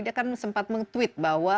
dia kan sempat men tweet bahwa